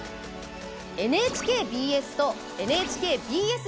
ＮＨＫＢＳとＮＨＫＢＳ